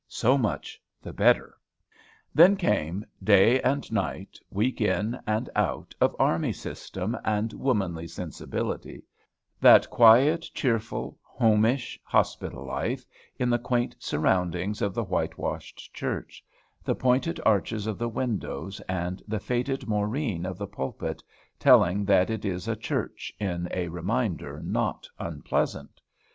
So much the better. Then came day and night, week in and out, of army system, and womanly sensibility; that quiet, cheerful, homish, hospital life, in the quaint surroundings of the white washed church; the pointed arches of the windows and the faded moreen of the pulpit telling that it is a church, in a reminder not unpleasant.